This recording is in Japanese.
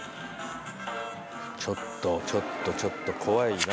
ちょっとちょっとちょっと怖いな。